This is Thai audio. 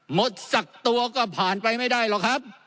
หมดสักตัวก็ผ่านไปไม่ได้หรอกครับ